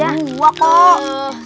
buat dua kok